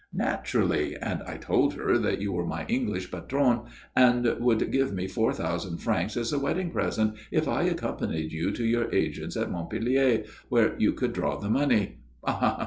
"Naturally. And I told her that you were my English patron, and would give me four thousand francs as a wedding present if I accompanied you to your agent's at Montpellier, where you could draw the money. Ah!